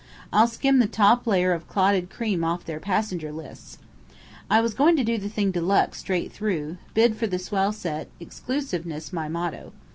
'I'll skim the top layer of clotted cream off their passenger lists!' I was going to do the thing de luxe straight through bid for the swell set, exclusiveness my motto.